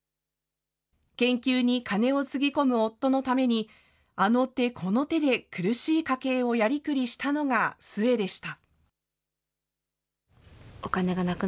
研究に金をつぎ込む夫のために、あの手この手で苦しい家計をやりくりしたのが壽衛でした。